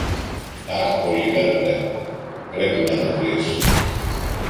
Αχ, Πολύκαρπε, Πρέπει να το βρεις!